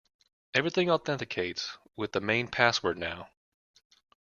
Everything authenticates with the main password now.